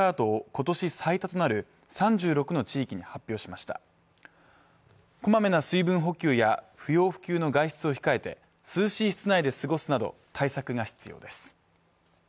今年最多となる３６の地域に発表しましたこまめな水分補給や不要不急の外出を控えて涼しい室内で過ごすなど対策が必要です